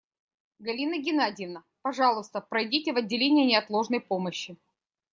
Галина Геннадьевна, пожалуйста, пройдите в отделение неотложной помощи.